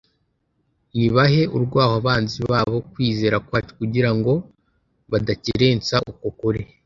ntibahe urwaho abanzi bo kwizera kwacu kugira ngo badakerensa uko kuri.